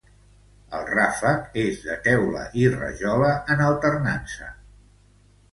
El ràfec és de teula i rajola en alternança.